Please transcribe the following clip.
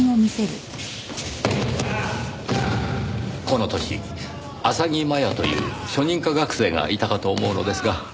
この年浅木真彩という初任科学生がいたかと思うのですが。